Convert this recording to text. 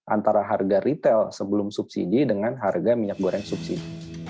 antara harga retail sebelum subsidi dengan harga minyak goreng subsidi